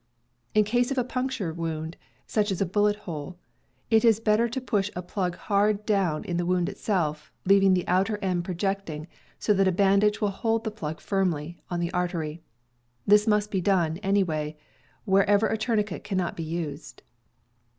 In case of a punctured wound, such as a bullet hole, it is better to push a plug hard down in the wound itself, leaving the outer end projecting so that a bandage will hold the plug firmly on the artery. This must be done, anyway, wherever a tourniquet cannot be used.